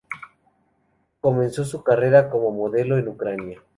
Comenzó su carrera como modelo en Ucrania.